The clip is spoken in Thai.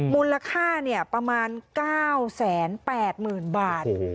มูลค่าเนี่ยประมาณ๙๘๐๐๐๐บาท